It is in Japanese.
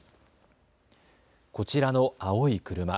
こちらの青い車。